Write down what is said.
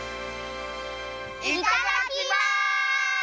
いただきます！